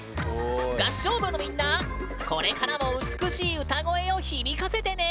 合唱部のみんなこれからも美しい歌声を響かせてね！